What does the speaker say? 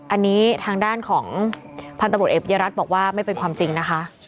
อันนี้ทางด้านของพันธุ์ตำรวจเอกเยรัฐบอกว่าไม่เป็นความจริงนะคะ